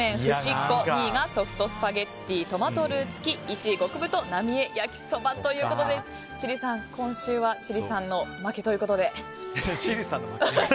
っこ２位がソフトスパゲッティトマトルウ付１位、極太なみえ焼そばということで千里さん、今週は千里さんの負けということで。